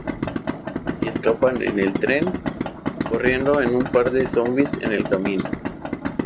Y escapan en el tren, corriendo en un par de zombis en el camino.